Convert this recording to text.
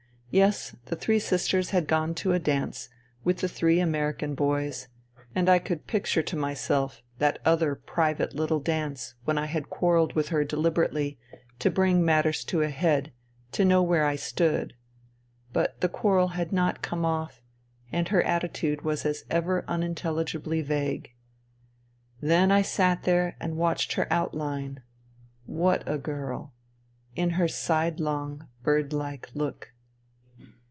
Yes, the three sisters had gone to a dance with the three American boys ; and I could picture to myself y 204 FUTILITY that other private little dance when I had quarrelled with her deliberately, to bring matters to a head, to know where I stood. But the quarrel had not " come off," and her attitude was as ever unintelligibly vague. Then I sat there and watched her outline — ^what a girl !— ^and her side long, bird like look.